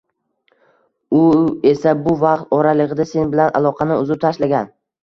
U esa bu vaqt oralig‘ida sen bilan aloqani uzib tashlagan.